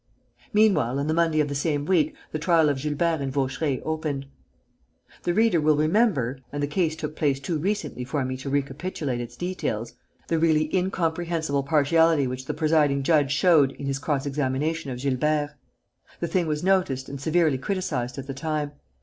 Meanwhile, on the Monday of the same week, the trial of Gilbert and Vaucheray opened. The reader will remember and the case took place too recently for me to recapitulate its details the really incomprehensible partiality which the presiding judge showed in his cross examination of Gilbert. The thing was noticed and severely criticised at the time.